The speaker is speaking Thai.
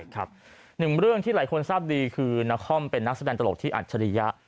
หนึ่งเรื่องที่หลายคนทราบดีคือนครเป็นนักแสดงตลกที่อัจฉริยะ